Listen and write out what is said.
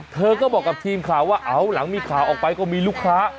เธอก็บอกกับทีมข่าวว่าเอาหลังมีข่าวออกไปก็มีลูกค้า